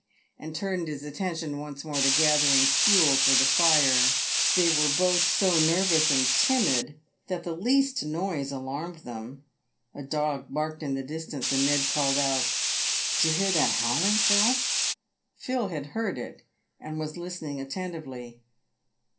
and turned his attention once more to gathering fuel for the fire. They were both so nervous and timid, that the least noise alarmed them. A dog barked in the distance, and Ned called out, "Do you hear that howling, Phil ?" Phil had heard it, and was listening attentively.